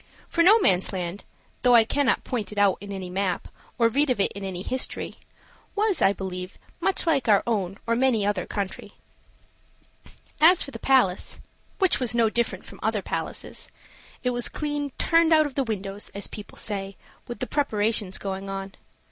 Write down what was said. For Nomansland, though I cannot point it out in any map, or read of it in any history, was, I believe, much like our own or many another country. As for the palace which was no different from other palaces it was clean "turned out of the windows," as people say, with the preparations going on.